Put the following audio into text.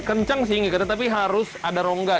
kencang sih tapi harus ada rongga